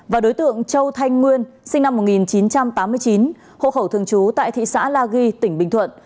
và đối tượng châu thanh nguyên sinh năm một nghìn chín trăm tám mươi chín hộ khẩu thường trú tại thị xã la ghi tỉnh bình thuận